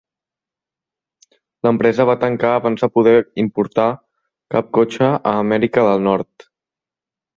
L'empresa va tancar abans de poder importar cap cotxe a Amèrica del Nord.